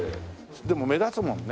でも目立つもんね。